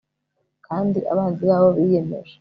kandi abanzi babo biyemeje